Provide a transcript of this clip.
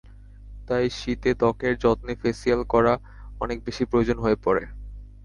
তাই শীতে ত্বকের যত্নে ফেসিয়াল করা অনেক বেশি প্রয়োজন হয়ে পড়ে।